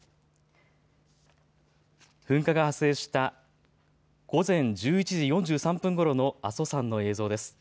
噴火が発生した午前１１時４３分ごろの阿蘇山の映像です。